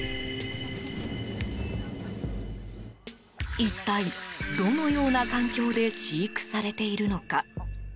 一体、どのような環境で飼育されているのか。